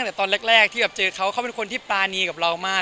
แต่ตอนแรกที่แบบเจอเขาเขาเป็นคนที่ปรานีกับเรามาก